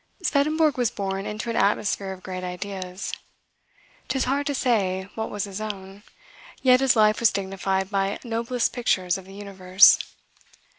Swedenborg was born into an atmosphere of great ideas. 'Tis hard to say what was his own: yet his life was dignified by noblest pictures of the universe.